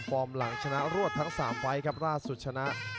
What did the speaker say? ฟอร์มหลังชนะรวดทั้ง๓ไฟล์ครับล่าสุดชนะ